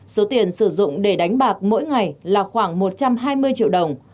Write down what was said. số tiền sử dụng để đánh bạc mỗi ngày là khoảng một trăm hai mươi triệu đồng